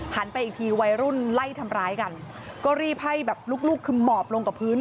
ไปอีกทีวัยรุ่นไล่ทำร้ายกันก็รีบให้แบบลูกลูกคือหมอบลงกับพื้น